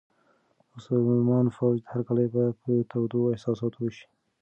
د مسلمان فوج هرکلی به په تودو احساساتو وشي.